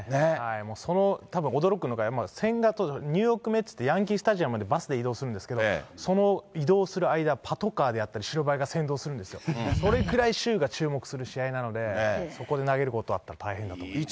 もうたぶん驚くのが、千賀投手、ニューヨークメッツって、ヤンキーススタジアムまでバスで移動するんですけど、その移動する間、パトカーであったり、白バイが先導するんですよ、それくらい州が注目する試合なので、そこで投げることは、やっぱり大変ですね。